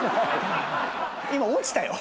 今落ちたよ。